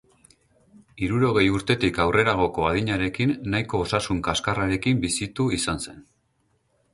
Hirurogei urtetik aurreragoko adinarekin nahiko osasun kaskarrarekin bizitu izan zen.